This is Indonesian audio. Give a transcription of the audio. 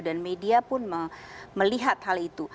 dan media pun melihat hal itu